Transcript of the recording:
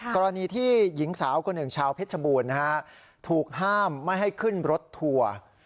กรณีที่หญิงสาวคนหนึ่งชาวเพชรบูรณ์นะฮะถูกห้ามไม่ให้ขึ้นรถทัวร์